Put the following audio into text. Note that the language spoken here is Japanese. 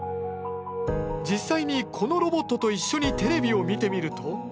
実際にこのロボットと一緒にテレビを見てみると。